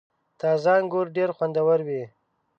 • تازه انګور ډېر خوندور وي.